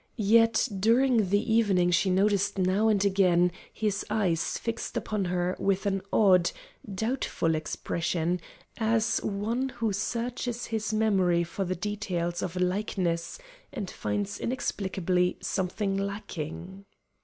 Yet during the evening she noticed now and again his eyes fixed upon her with an odd, doubtful expression, as one who searches his memory for the details of a likeness, and finds inexplicably something lacking.